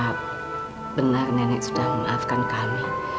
karena nenek sudah menafikan kami